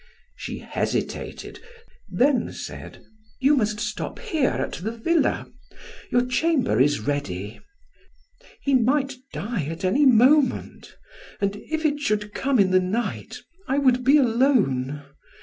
She hesitated, then said: "You must stop here, at the villa. Your chamber is ready. He might die any moment, and if it should come in the night, I would be alone.